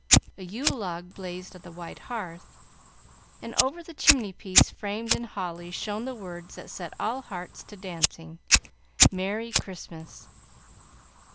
A Yule log blazed on the wide hearth, and over the chimney piece, framed in holly, shone the words that set all hearts to dancing, "Merry Christmas!"